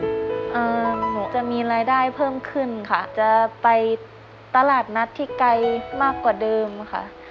หนูจะมีรายได้เพิ่มขึ้นค่ะจะไปตลาดนัดที่ไกลมากกว่าเดิมค่ะ